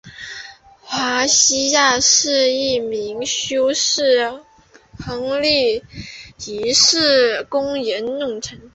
华西亚是一名修士和亨利一世的宫廷弄臣。